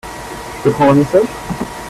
Je peux prendre un message ?